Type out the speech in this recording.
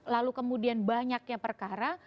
lalu kemudian banyaknya perkara